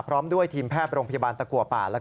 พร้อมด้วยทีมแพทย์โรงพยาบาลตะกัวป่า